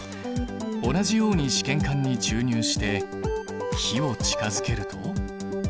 同じように試験管に注入して火を近づけると。